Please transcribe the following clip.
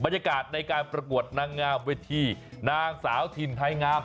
บรรยากาศในการประกวดนางงามเวทีนางสาวถิ่นไทยงาม